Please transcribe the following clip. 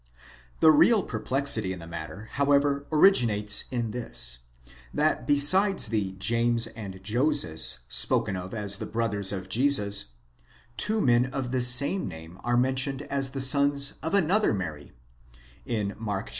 The real perplexity in the matter, however, originates in this: that besides the James and Joses spoken of as the brothers of Jesus, two men of the same name are mentioned as the sons of another Mary (Mark xv.